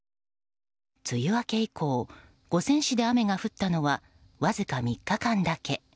梅雨明け以降五泉市で雨が降ったのはわずか３日間だけ。